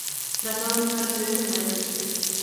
Traslado nunha residencia de maiores.